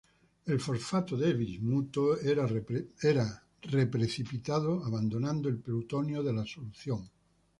El fosfato de bismuto era re-precipitado abandonando el plutonio de la solución.